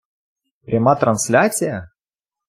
Пряма трансляція?